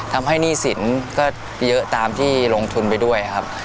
หนี้สินก็เยอะตามที่ลงทุนไปด้วยครับ